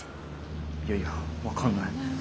いやいや分かんない。